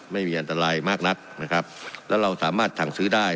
ไม่มีอันตรายมากนักนะครับแล้วเราสามารถสั่งซื้อได้